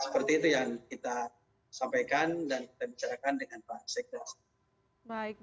seperti itu yang kita sampaikan dan kita bicarakan dengan pak sekda